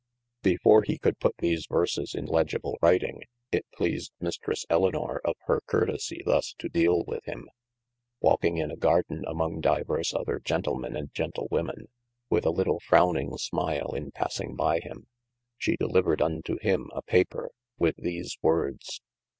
BEfore he could put these verses in legible writing, it pleased M. Elinor of hir curtesie thus to deale with him. Walking in a garden among divers other gentlemen & gentle women, with a little frowning smyle in passing by him, she delivered unto him a paper, with these words.